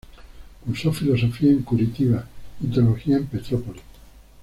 Cursó filosofía en Curitiba y teología en Petrópolis.